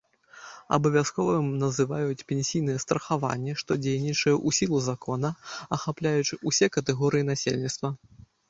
Абавязковым называюць пенсійнае страхаванне, што дзейнічае ў сілу закона, ахапляючы ўсе катэгорыі насельніцтва.